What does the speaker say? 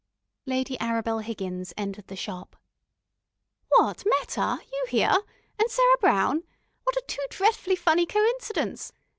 Lady Arabel Higgins entered the shop. "What, Meta, you here? And Sarah Brown? What a too dretfully funny coincidence.